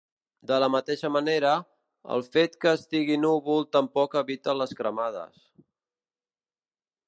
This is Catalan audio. De la mateixa manera, el fet que estigui núvol tampoc evita les cremades.